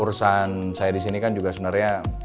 urusan saya di sini kan juga sebenarnya